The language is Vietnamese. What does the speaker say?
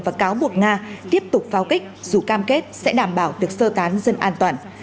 và cáo buộc nga tiếp tục pháo kích dù cam kết sẽ đảm bảo việc sơ tán dân an toàn